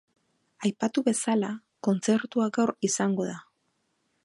Aipatu bezala, kontzertua gaur izango da.